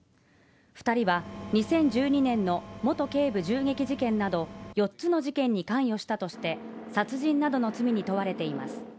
二人は２０１２年の元警部銃撃事件など４つの事件に関与したとして殺人などの罪に問われています